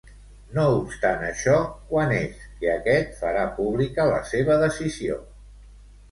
No obstant això, quan és que aquest farà pública la seva decisió?